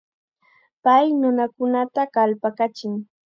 Pay nunakunata kallpakachin.